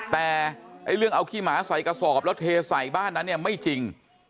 แต่เรื่องเอาขี้หมาใส่กระสอบแล้วเทใส่บ้านนั้นเนี่ยไม่จริง